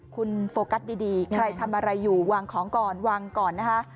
คุณโฟกัสดีใครทำอะไรอยู่วางของก่อนวางก่อนนะคะ